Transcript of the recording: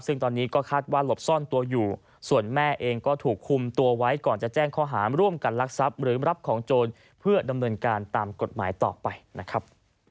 ซึ่งตอนนี้ก็คาดว่าหลบซ่อนตัวอยู่ส่วนแม่เองก็ถูกคุมตัวไว้ก่อนจะแจ้งข้อหาร่วมกันลักทรัพย์หรือรับของโจรเพื่อดำเนินการตามกฎหมายต่อไปนะครับ